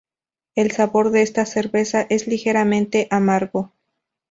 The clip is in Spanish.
El sabor de esta cerveza es ligeramente amargo.